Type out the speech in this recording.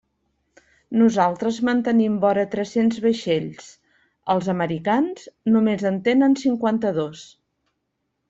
Nosaltres mantenim vora tres-cents vaixells; els americans només en tenen cinquanta-dos.